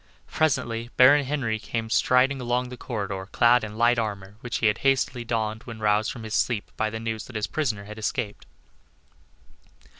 Presently Baron Henry came striding along the corridor clad in light armor, which he had hastily donned when roused from his sleep by the news that his prisoner had escaped.